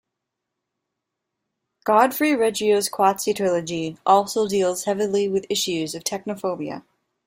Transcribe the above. Godfrey Reggio's Qatsi trilogy also deals heavily with issues of technophobia.